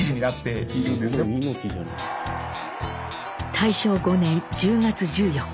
大正５年１０月１４日。